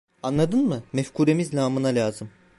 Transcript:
Anladın mı, mefkuremiz namına lazım…